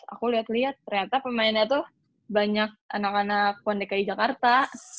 aku lihat lihat ternyata pemainnya tuh banyak anak anak pon dki jakarta